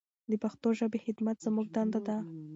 د پښتو ژبې خدمت زموږ دنده ده.